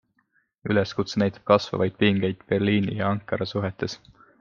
Üleskutse näitab kasvavaid pingeid Berliini ja Ankara suhetes.